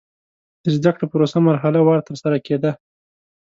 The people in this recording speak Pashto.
د زده کړې پروسه مرحله وار ترسره کېده.